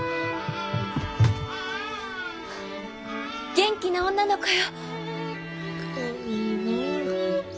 元気な女の子よ。